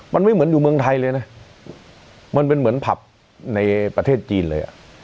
มันไม่เหมือนอยู่เมืองไทยเลยนะมันเป็นเหมือนผับในประเทศจีนเลย